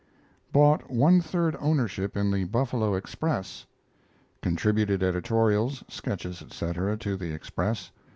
Bought one third ownership in the Buffalo Express. Contributed editorials, sketches, etc., to the Express.